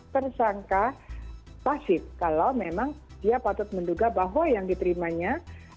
tersangka pasif kalau memang dia patut menduga bahwa yang diterimanya